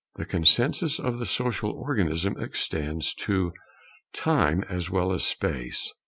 The consensus of the social organism extends to Time as well as Space.